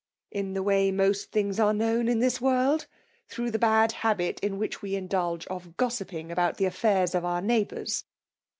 ' In the way most things are known in this world: through the bad habit in which we injfiilge of gossiping about the aflFairs of our neighbours.